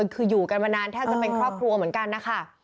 คืออยู่กันมานานแทบจะเป็นครอบครัวเหมือนกันนะคะ